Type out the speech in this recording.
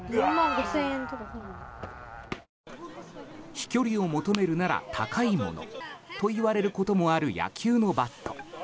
飛距離を求めるなら高いものと言われることもある野球のバット。